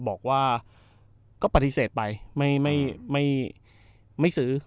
บอกว่าก็ปฏิเสธไปไม่ไม่ไม่ไม่ซื้อ